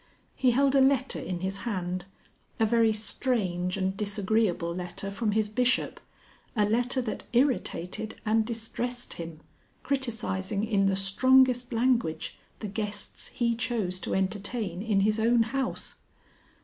He held a letter in his hand, a very strange and disagreeable letter from his bishop, a letter that irritated and distressed him, criticising in the strongest language the guests he chose to entertain in his own house.